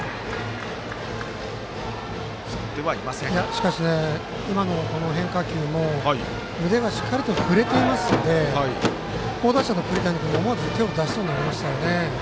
しかし、今の変化球も腕がしっかりと振れていますので好打者の栗谷君は手を出しそうになりましたよね。